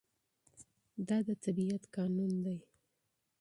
دا د طبيعت قانون دی.